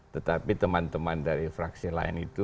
tetapi teman teman dari fraksi lain itu